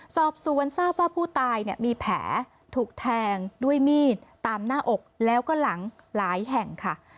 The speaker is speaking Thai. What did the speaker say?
สอบสวนทราบว่าผู้ตายเนี่ยมีแผลถูกแทงด้วยมีดตามหน้าอกแล้วก็หลังหลายแห่งค่ะ